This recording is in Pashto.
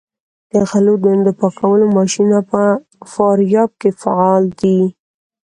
د غلو دانو د پاکولو ماشینونه په فاریاب کې فعال دي.